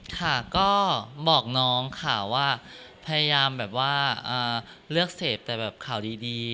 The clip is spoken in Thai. ค่ะก็บอกน้องค่ะว่าพยายามแบบว่าเลือกเสพแต่แบบข่าวดี